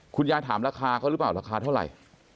คุณยายถามราคาเขาหรือเปล่าราคาเท่าไหร่